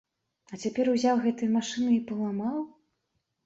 А цяпер узяў гэтыя машыны і паламаў?